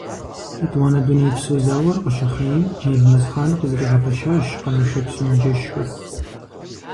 ЕтӀуанэ Дунейпсо зауэр къыщыхъейм, Елмэсхъан къызэригъэпэщащ кърашэкӀ сымаджэщхэр.